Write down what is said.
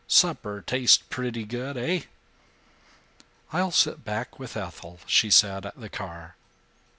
Supper taste pretty good, eh?" "I'll sit back with Ethel," she said, at the car.